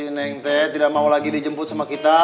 si neng teh tidak mau lagi dijemput sama kita